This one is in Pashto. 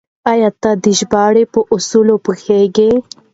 آيا ته د ژباړې په اصولو پوهېږې؟